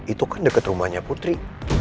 itu kan dekat rumahnya putri